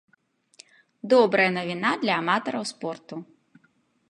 Добрая навіна для аматараў спорту.